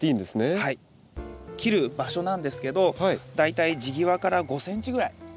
切る場所なんですけど大体地際から５ｃｍぐらい。